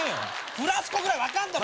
フラスコぐらい分かんだろ！